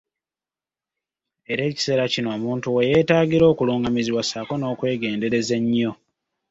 Era ekiseera kino omuntu we yeetaagira okulungamizibwa saako n'okwegendereza ennyo!